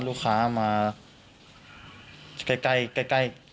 จากนั้นก็จะนำมาพักไว้ที่ห้องพลาสติกไปวางเอาไว้ตามจุดนัดต่าง